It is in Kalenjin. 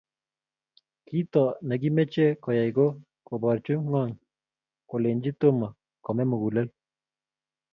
Kito nekimeche koyay ko kuborchu ngong kolenji toma kome mugulel.